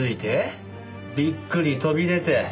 びっくり飛び出て。